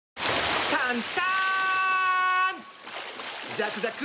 ザクザク！